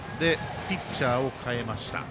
ピッチャーを代えました。